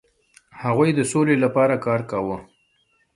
هغوی د سولې لپاره کار کاوه.